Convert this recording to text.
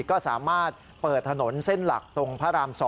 ก็สามารถเปิดถนนเส้นหลักตรงพระราม๒